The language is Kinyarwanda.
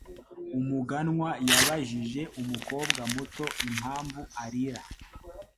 Umuganwa yabajije umukobwa muto impamvu arira.